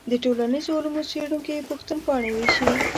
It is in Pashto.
د ټولنیزو علومو څېړونکي پوښتنپاڼې ویشي.